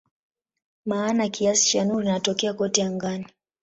Maana kiasi cha nuru inatokea kote angani.